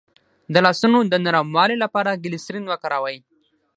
د لاسونو د نرموالي لپاره ګلسرین وکاروئ